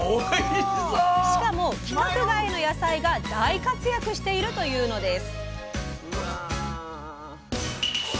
しかも規格外の野菜が大活躍しているというのです。